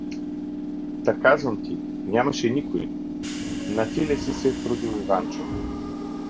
— Та казвам ти, нямаше никой — нафиле си се трудил, Иванчо.